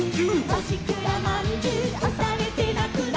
「おしくらまんじゅうおされてなくな」